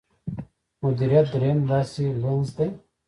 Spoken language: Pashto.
مديريت درېيم داسې لينز دی.